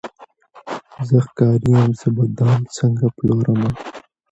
زه ښکاري یم زه به دام څنګه پلورمه